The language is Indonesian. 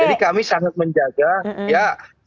jadi kami sangat menjaga